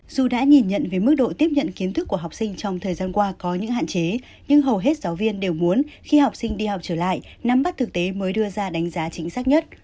dù đã nhìn nhận về mức độ tiếp nhận kiến thức của học sinh trong thời gian qua có những hạn chế nhưng hầu hết giáo viên đều muốn khi học sinh đi học trở lại nắm bắt thực tế mới đưa ra đánh giá chính xác nhất